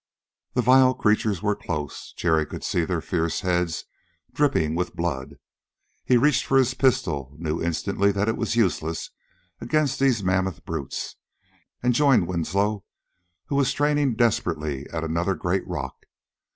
The vile creatures were close: Jerry could see their fierce heads dripping with blood. He reached for his pistol, knew instantly it was useless against these mammoth brutes, and joined Winslow, who was straining desperately at another great rock.